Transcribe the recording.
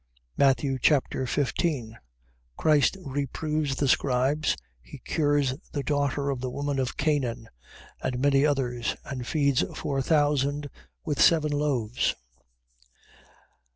Matthew Chapter 15 Christ reproves the Scribes. He cures the daughter of the woman of Canaan: and many others: and feeds four thousand with seven loaves.